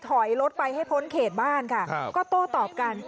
ถอยรถไปให้พ้นเขตบ้านค่ะก็โต้ตอบกัน